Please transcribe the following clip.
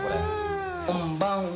こんばんは。